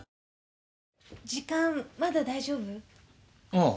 ああ。